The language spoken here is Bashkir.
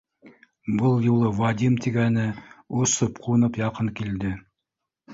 Был юлы Вадим тигәне осоп-ҡунып яҡын килде: